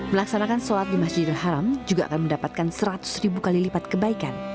melaksanakan sholat di masjidil haram juga akan mendapatkan seratus ribu kali lipat kebaikan